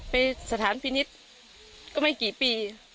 ไปสถานพินิษฐ์ก็ไม่กี่ปี